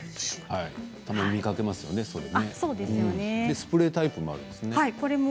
スプレータイプもあるんですね。